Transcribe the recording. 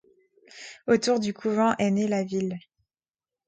Autour du couvent est née la ville.